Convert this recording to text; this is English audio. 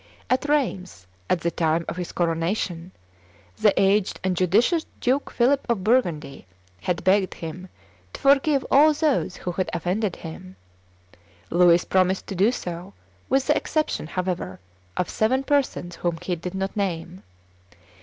At Rheims, at the time of his coronation, the aged and judicious Duke Philip of Burgundy had begged him to forgive all those who had offended him. Louis promised to do so, with the exception, however, of seven persons whom he did not name.